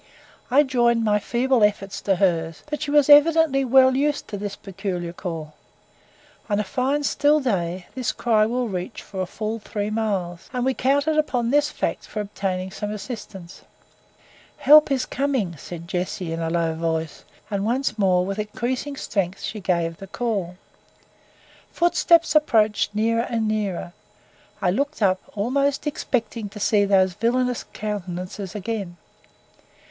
I joined my feeble, efforts to hers; but she was evidently well used to this peculiar call. On a fine still day, this cry will reach for full three miles, and we counted upon this fact for obtaining some assistance. "Help is coming," said Jessie, in a low voice, and once more with increasing strength she gave the call. Footsteps approached nearer and nearer. I looked up, almost expecting to see those villainous countenances again.